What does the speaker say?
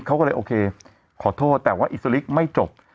เขาก็เลยโอเคขอโทษแต่ว่าอิสลิกไม่จบ